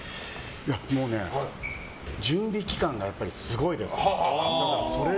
もうね、準備期間がすごいですから。